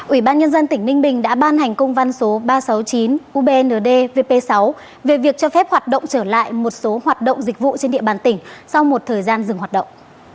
ủy ban nhân dân tỉnh ninh bình đã ban hành công văn số ba trăm sáu mươi chín ubnd vp sáu về việc cho phép hoạt động trở lại một số hoạt động dịch vụ trên địa bàn tỉnh sau một thời gian dừng hoạt động